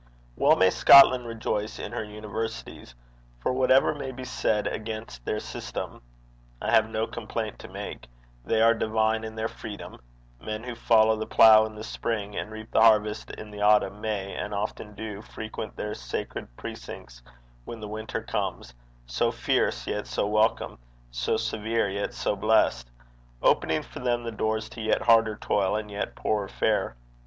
Well may Scotland rejoice in her universities, for whatever may be said against their system I have no complaint to make they are divine in their freedom: men who follow the plough in the spring and reap the harvest in the autumn, may, and often do, frequent their sacred precincts when the winter comes so fierce, yet so welcome so severe, yet so blessed opening for them the doors to yet harder toil and yet poorer fare.